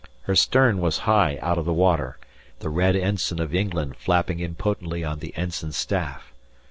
Her stern was high out of water, the red ensign of England flapping impotently on the ensign staff.